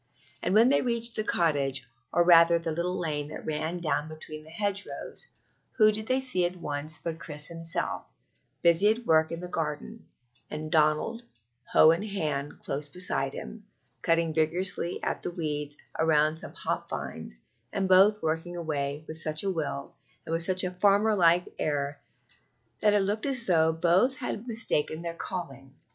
And when they reached the cottage, or rather the little lane that runs down between the hedgerows, who did they see at once but Chris himself, busy at work in the garden, and Donald, hoe in hand, close beside him, cutting vigorously at the weeds round some hop vines, and both working away with such a will and such a farmer like air that it looked as though both had mistaken their calling.